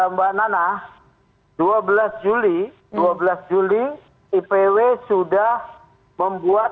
mbak nana dua belas juli dua belas juli ipw sudah membuat